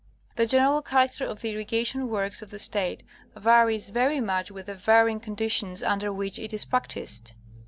The general character of the irrigation works of the State varies very much with the varying conditions under which it is prac ticed.